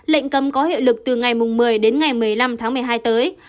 lệnh cấm có hiệu lực từ ngày một mươi đến ngày một mươi năm tháng một mươi hai tới